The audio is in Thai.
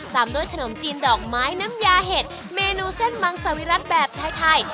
ตามด้วยขนมจีนดอกไม้น้ำยาเห็ดเมนูเส้นมังสวิรัติแบบไทย